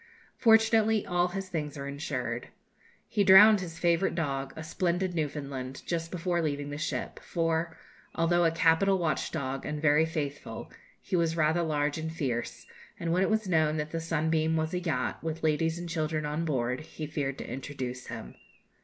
Fortunately, all his things are insured. He drowned his favourite dog, a splendid Newfoundland, just before leaving the ship; for, although a capital watch dog, and very faithful, he was rather large and fierce; and when it was known that the 'Sunbeam' was a yacht, with ladies and children on board, he feared to introduce him.